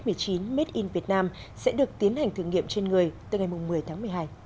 made in vietnam sẽ được tiến hành thử nghiệm trên người từ ngày một mươi tháng một mươi hai